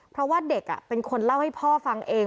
เพราะว่าเด็กเป็นคนเล่าให้พ่อฟังเอง